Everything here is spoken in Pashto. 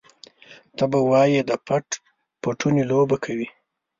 ته به وايې د پټ پټوني لوبه کوي.